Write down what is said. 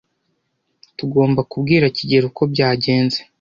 Tugomba kubwira kigeli uko byagenze.